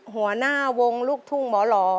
หัวหน้าวงลูกทุ่งหมอหล่อ